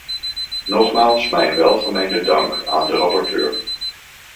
Nogmaals mijn welgemeende dank aan de rapporteur.